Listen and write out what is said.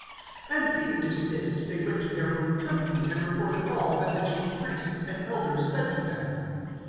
(23)And being dismissed, they went to their own company, and reported all that the chief priests and elders said to them.